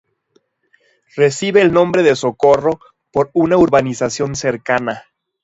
Recibe el nombre de Socorro por una urbanización cercana.